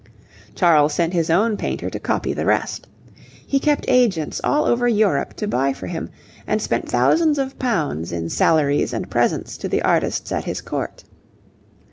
Charles sent his own painter to copy the rest. He kept agents all over Europe to buy for him, and spent thousands of pounds in salaries and presents to the artists at his Court.